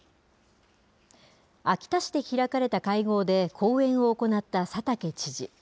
秋田市で開かれた会合で講演を行った佐竹知事。